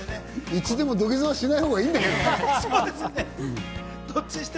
いつでも土下座はしないほうがいいんだけどね。